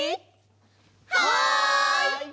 はい！